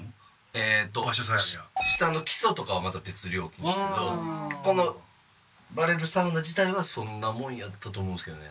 えっと下の基礎とかはまた別料金ですけどこのバレルサウナ自体はそんなもんやったと思うんですけどね。